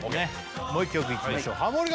もう１曲いきましょうハモリ